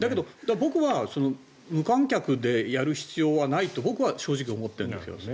僕は無観客でやる必要はないと僕は正直思っている。